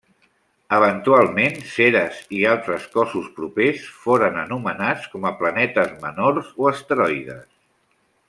Eventualment Ceres i altres cossos propers foren anomenats com a planetes menors o asteroides.